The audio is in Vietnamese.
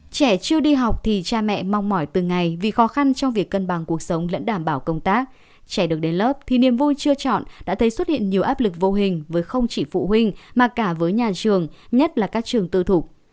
trẻ chưa đi học thì cha mẹ mong mỏi từng ngày vì khó khăn trong việc cân bằng cuộc sống lẫn đảm bảo công tác trẻ được đến lớp thì niềm vui chưa chọn đã thấy xuất hiện nhiều áp lực vô hình với không chỉ phụ huynh mà cả với nhà trường nhất là các trường tư thục